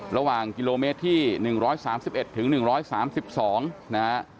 ระหว่างกิโลเมตรที่๑๓๑ถึง๑๓๒นะฮะ